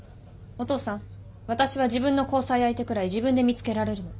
お父さん私は自分の交際相手くらい自分で見つけられるの。